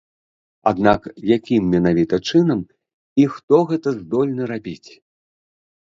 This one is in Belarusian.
Аднак якім менавіта чынам і хто гэта здольны рабіць?